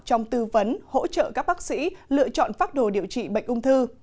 trong tư vấn hỗ trợ các bác sĩ lựa chọn phác đồ điều trị bệnh ung thư